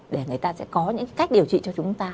để người ta sẽ có những cách điều trị cho chúng ta